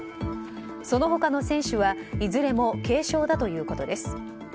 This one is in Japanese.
その他の選手はいずれも軽傷だということです。